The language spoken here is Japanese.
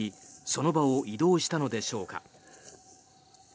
その場を移動したのでしょうか。